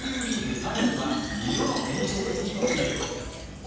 ファイナルは２度の延長戦に突入。